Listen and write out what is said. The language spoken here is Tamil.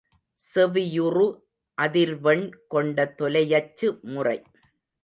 செவியுறு அதிர்வெண் கொண்ட தொலையச்சு முறை.